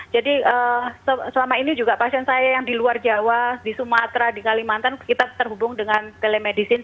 jadi selama ini juga pasien saya yang di luar jawa di sumatera di kalimantan kita terhubung dengan telemedicine